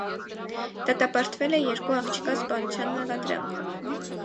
Դատապարտվել է երկու աղջկա սպանության մեղադրանքով։